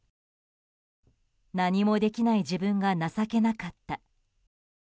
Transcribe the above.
何もできない自分が情けなかった。